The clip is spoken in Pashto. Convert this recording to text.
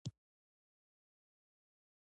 د نجونو تعلیم د چاپیریال پوهاوي زیاتولو مرسته ده.